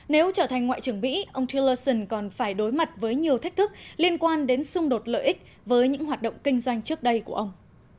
nếu trở thành ngoại trưởng mỹ ông chelleron còn phải đối mặt với nhiều thách thức liên quan đến xung đột lợi ích với những hoạt động kinh doanh trước đây của ông